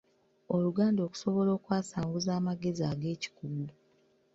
Oluganda okusobola okwasanguza amagezi ag’ekikugu.